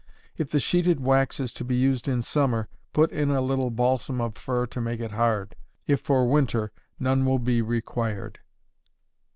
If the sheeted wax is to be used in Summer, put in a little balsam of fir to make it hard. If for Winter, none will be required.